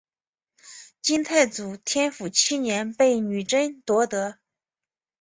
金太祖天辅七年被女真夺得。